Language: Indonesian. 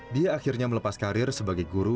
dia akhirnya melepas karir sebagai guru